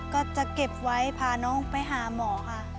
ก็จะเก็บไว้พาน้องไปหาหมอค่ะ